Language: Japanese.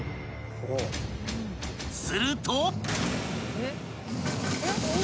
［すると］